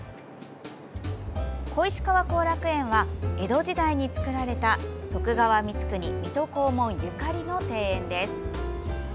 小石川後楽園は江戸時代に造られた徳川光圀・水戸黄門ゆかりの庭園です。